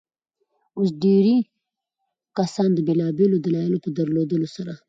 اوس ډېرى کسان د بېلابيلو دلايلو په درلودلو سره.